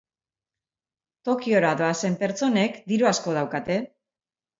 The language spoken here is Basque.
Tokiora doazen pertsonek diru asko daukate.